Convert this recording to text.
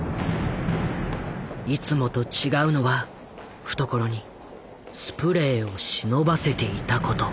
いつもと違うのは懐にスプレーを忍ばせていたこと。